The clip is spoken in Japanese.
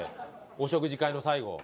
お食事会の最後。